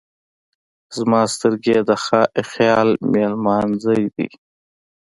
زما سترګې یې د خیال مېلمانځی دی.